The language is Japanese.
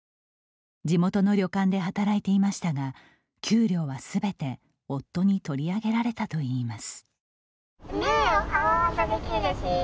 地元の旅館で働いていましたが給料は、すべて夫に取り上げられたといいます。